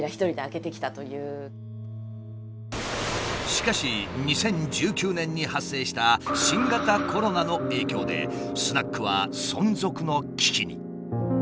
しかし２０１９年に発生した新型コロナの影響でスナックは存続の危機に。